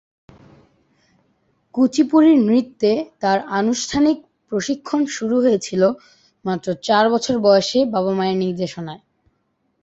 কুচিপুড়ি নৃত্যে তাঁর আনুষ্ঠানিক প্রশিক্ষণ শুরু হয়েছিল মাত্র চার বছর বয়সে বাবা-মা'য়ের নির্দেশনায়।